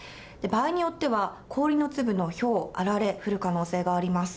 場合によっては、氷の粒のひょう、あられ、降る可能性があります。